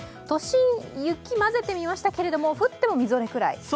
都心、雪をまぜてみましたけど降っても、みぞれくらい？